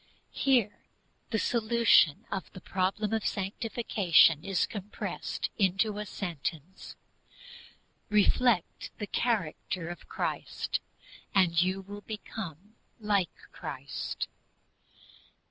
Here THE SOLUTION OF THE PROBLEM OF SANCTIFICATION is compressed into a sentence: Reflect the character of Christ, and you will become like Christ.